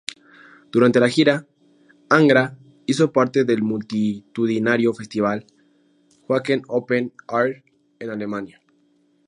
Durante la gira, Angra hizo parte del multitudinario festival Wacken Open Air en Alemania.